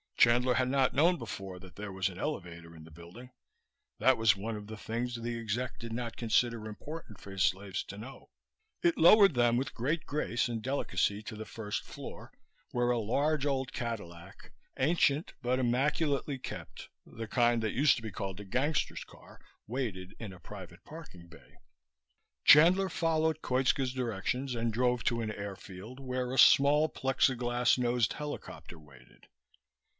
Chandler had not known before that there was an elevator in the building. That was one of the things the exec did not consider important for his slaves to know. It lowered them with great grace and delicacy to the first floor, where a large old Cadillac, ancient but immaculately kept, the kind that used to be called a "gangster's car," waited in a private parking bay. Chandler followed Koitska's directions and drove to an airfield where a small, Plexiglas nosed helicopter waited.